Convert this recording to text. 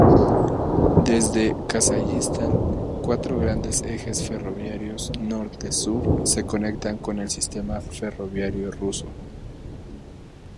Desde Kazajistán, cuatro grandes ejes ferroviarios norte-sur se conectan con el sistema ferroviario ruso.